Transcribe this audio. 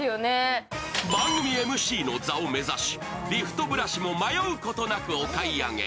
番組ＭＣの座を目指し、リフトブラシも迷うことなくお買い上げ。